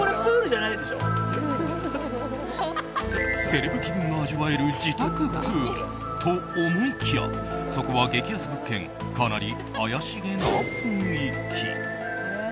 セレブ気分が味わえる自宅プールと思いきや、そこは激安物件かなり怪しげな雰囲気。